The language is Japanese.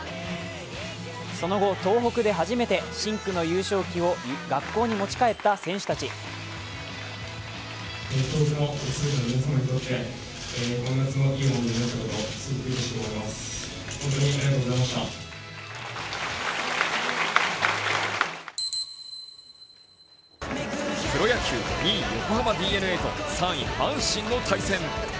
その後、東北で初めて深紅の優勝旗を学校に持ち帰った選手たちプロ野球、２位・横浜ＤｅＮＡと３位・阪神の対戦。